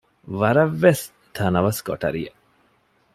ވަރަށްވެސް ތަނަވަސް ކޮޓަރިއެއް